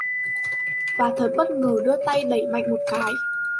Và thật bất ngờ đưa tay đẩy mạnh một cái